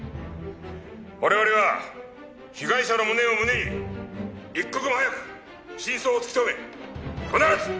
我々は被害者の無念を胸に一刻も早く真相を突き止め必ずホシを挙げる！